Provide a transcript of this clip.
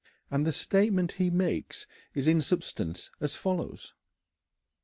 And the statement he makes is in substance as follows.